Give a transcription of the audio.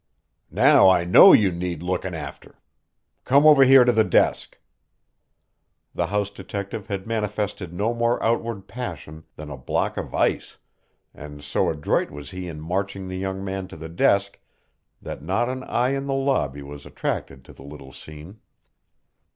"Now I know you need lookin' after. Come over here to the desk." The house detective had manifested no more outward passion than a block of ice, and so adroit was he in marching the young man to the desk that not an eye in the lobby was attracted to the little scene.